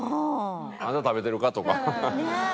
「あんた食べてるか？」とかねえ。